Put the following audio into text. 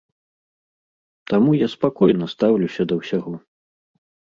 Таму я спакойна стаўлюся да ўсяго.